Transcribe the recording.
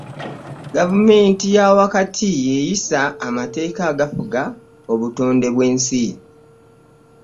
Gavumenti ya wakati y'eyisa amateeka agafuga obutonde bw'ensi.